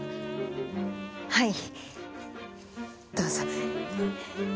はいどうぞ。